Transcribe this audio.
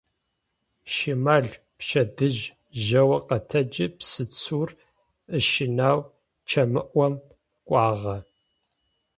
Щимал пчэдыжь жьэу къэтэджи псыцур ыщынэу чэмыӏом кӏуагъэ.